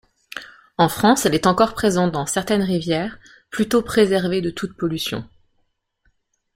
En France, elle est encore présente dans certaines rivières, plutôt préservées de toute pollution.